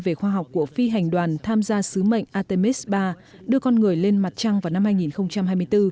về khoa học của phi hành đoàn tham gia sứ mệnh artemis iii đưa con người lên mặt trăng vào năm hai nghìn hai mươi bốn